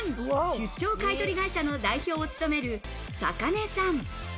出張買取会社の代表を務める坂根さん。